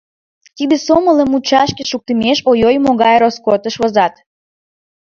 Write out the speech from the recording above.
Тиде сомылым мучашке шуктымеш, ой-ой, могай роскотыш возат.